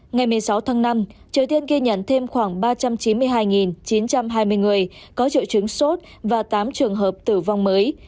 ngày một mươi sáu tháng năm triều tiên ghi nhận thêm khoảng ba trăm chín mươi hai chín trăm hai mươi người có triệu chứng sốt và tám trường hợp tử vong mới